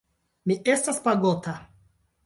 Mi estas pagota.